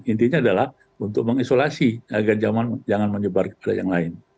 intinya adalah untuk mengisolasi agar jangan menyebar kepada yang lain